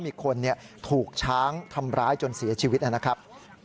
มีคนถูกช้างทำร้ายจนเสียชีวิตนะครับ